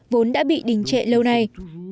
vốn đã bị đình trệ lâu nay